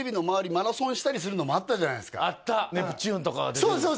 マラソンしたりするのもあったじゃないですかあったネプチューンとかが出てるそうです